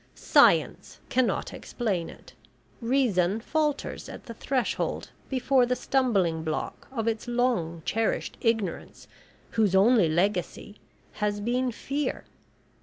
Science cannot explain it. Reason falters at the threshold before the stumbling block of its long cherished ignorance whose only legacy has been Fear.